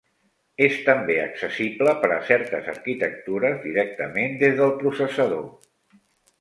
És també accessible per a certes arquitectures directament des del processador.